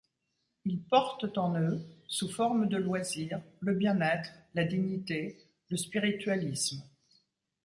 Ils portent en eux, sous forme de loisir, le bien-être, la dignité, le spiritualisme.